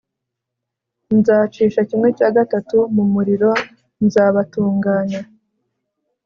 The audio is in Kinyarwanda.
nzacisha kimwe cya gatatu mu muriro nzabatunganya